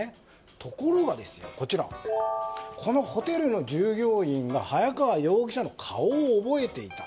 ところが、このホテルの従業員が早川容疑者の顔を覚えていた。